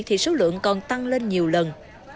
thì số lượng còn tăng lên nhiều lần